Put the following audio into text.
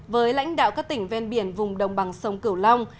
với lãnh đạo các tỉnh ven biển vùng đồng bằng sông cửu long